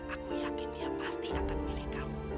aku yakin dia pasti akan milih kamu